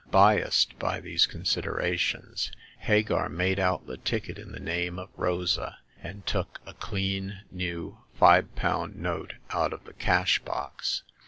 Biassed by these considera tions, Hagar made out the ticket in the name of Rosa, and took a clean new five pound note out of the cash box.